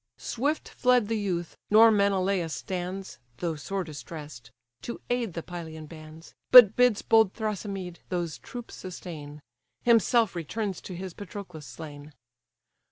Swift fled the youth: nor Menelaus stands (Though sore distress'd) to aid the Pylian bands; But bids bold Thrasymede those troops sustain; Himself returns to his Patroclus slain.